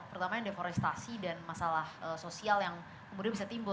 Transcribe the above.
pertama yang deforestasi dan masalah sosial yang kemudian bisa timbul